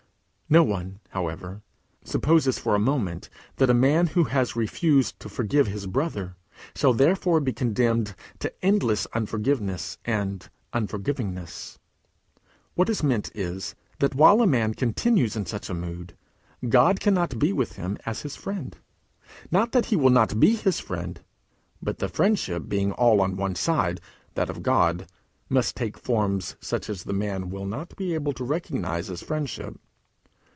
No one, however, supposes for a moment that a man who has once refused to forgive his brother, shall therefore be condemned to endless unforgiveness and unforgivingness. What is meant is, that while a man continues in such a mood, God cannot be with him as his friend; not that he will not be his friend, but the friendship being all on one side that of God must take forms such as the man will not be able to recognize as friendship.